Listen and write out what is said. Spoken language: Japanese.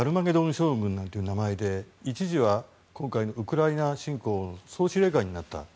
将軍なんていう名前で一時は今回のウクライナ侵攻の総司令官になった。